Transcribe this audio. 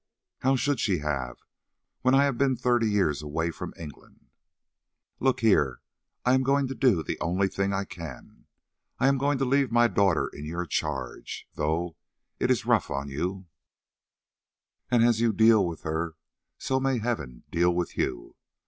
How should she have, when I have been thirty years away from England? "Look here, I am going to do the only thing I can do. I am going to leave my daughter in your charge, though it is rough on you, and as you deal with her, so may Heaven deal with you!